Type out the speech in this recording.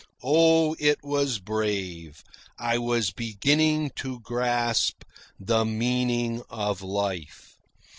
Oh, it was brave. I was beginning to grasp the meaning of life.